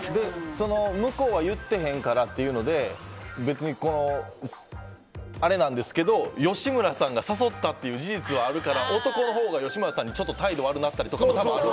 向こうは言ってへんからというので別にあれなんですけど吉村さんが誘ったという事実があるから男のほうが吉村さんに態度が悪くなったりはある。